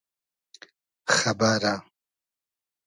خئبئرۂ